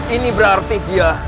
ini berarti dia